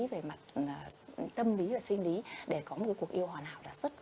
về mặt tâm lý và sinh lý để có một cuộc yêu hoàn hảo đạt sức